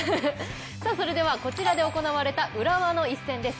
こちらで行われた浦和の一戦です。